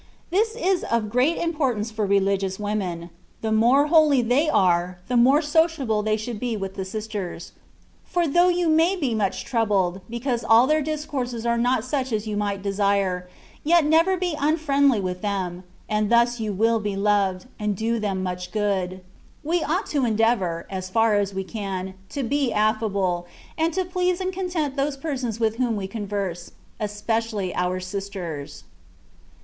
This is of great importance for reli gious women ; the more holy thev are, the more THE WAT OF FBR7ECTION. 218 sociable they should be with the sisters; for though you may be much troubled, because all their discourses are not such as you might desire, yet never be imfriendly with them, and thus you will be loved, and do them much good. We ought to endeavour, as far as we can, to be affable, and to please and content those persons with whom we converse, and especially our sisters.